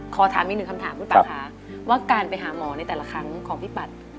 ขอถามอีกหนึ่งคำถามคุณปัดค่ะว่าการไปหาหมอในแต่ละครั้งของพี่ปัด